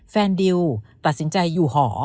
ดิวตัดสินใจอยู่หอ